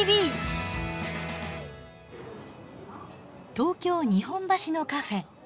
東京・日本橋のカフェ。